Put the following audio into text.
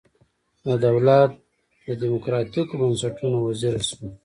د دولت د دموکراتیکو بنسټونو وزیره شوه.